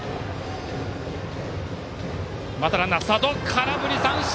空振り三振！